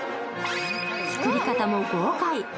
作り方も豪快。